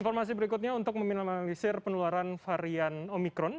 informasi berikutnya untuk meminimalisir penularan varian omikron